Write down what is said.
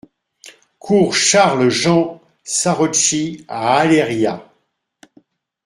Cours Charles Jean Sarocchi à Aléria